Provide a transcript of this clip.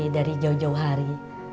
dari jauh jauh hari